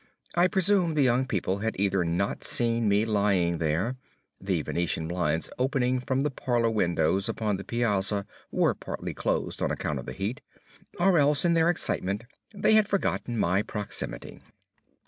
I presume the young people had either not seen me lying there, the Venetian blinds opening from the parlor windows upon the piazza were partly closed on account of the heat, or else in their excitement they had forgotten my proximity.